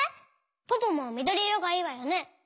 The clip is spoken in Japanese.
ポポもみどりいろがいいわよね。